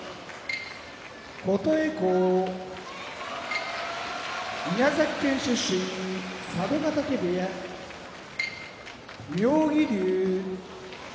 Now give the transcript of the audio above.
琴恵光宮崎県出身佐渡ヶ嶽部屋妙義龍